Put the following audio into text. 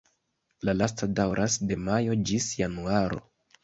La lasta daŭras de majo ĝis januaro.